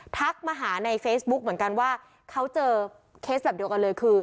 ทักมาหาในเฟซบุ๊กเหมือนกันว่าเขาเจอเคสแบบเดียวกันเลยคือ